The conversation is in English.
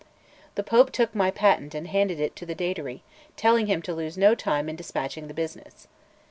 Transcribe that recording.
The Pope took my patent and handed it to the Datary, telling him to lose no time in dispatching the business.